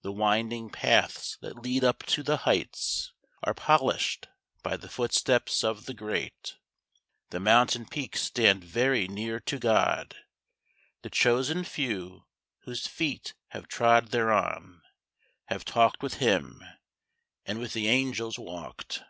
_ The winding paths that lead up to the heights Are polished by the footsteps of the great. The mountain peaks stand very near to God: The chosen few whose feet have trod thereon _Have talked with Him, and with the angels walked.